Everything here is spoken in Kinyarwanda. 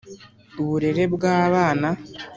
Uburere bw’abana